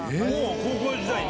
高校時代に？